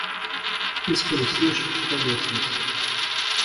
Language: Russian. Исколесишь сто лестниц.